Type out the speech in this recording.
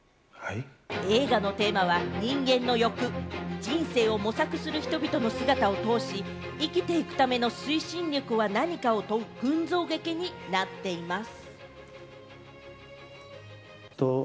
映画のテーマは人間の欲、人生を模索する人々の姿を通し、生きていくための推進力は何かを問う群像劇になっています。